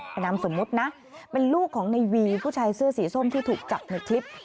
เป็นนามสมมุตินะเป็นลูกของในวีผู้ชายเสื้อสีส้มที่ถูกจับในคลิป